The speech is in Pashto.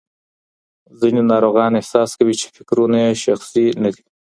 ځینې ناروغان احساس کوي چې فکرونه یې شخصي نه دي.